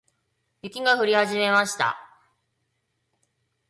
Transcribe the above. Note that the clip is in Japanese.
雪が降り始めました。